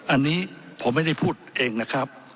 อันนี้ผมไม่ได้พูดเองนะครับ